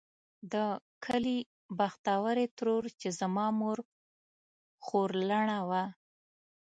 د کلي بختورې ترور چې زما مور خورلڼه وه.